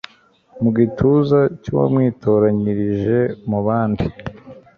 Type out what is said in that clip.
mu gituza cy'uwamwitoranyirije mu bandi